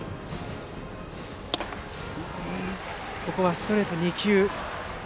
ストレート、２球。